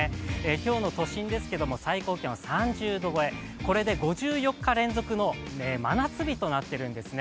今日の都心ですけれども最高気温３０度超え、これで５４日連続の真夏日となっているんですね。